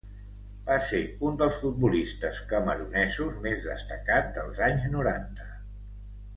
Va ser un dels futbolistes camerunesos més destacat dels anys noranta.